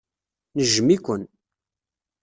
Nejjem-iken.